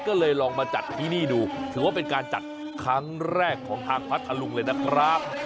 ก็เลยลองมาจัดที่นี่ดูถือว่าเป็นการจัดครั้งแรกของทางพัทธลุงเลยนะครับ